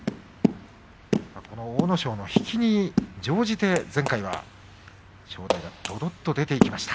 阿武咲の引きに乗じて前回は正代がどどっと出ていきました。